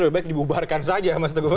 lebih baik dibubarkan saja